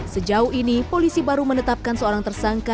sejauh ini polisi baru menetapkan seorang tersangka